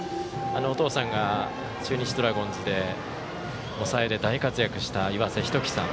お父さんが中日ドラゴンズで大活躍した岩瀬仁紀さん。